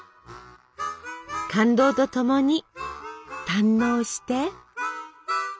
感動とともに堪能して！